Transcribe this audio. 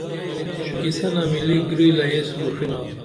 شوکیسنہ ملی گریلہ یس لوڜینا